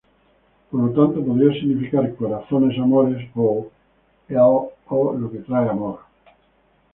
Por tanto podría significar "Corazones, amores", o "e"l o "la que trae amor".